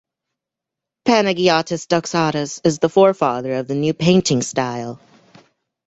Panagiotis Doxaras is the forefather of the new painting style.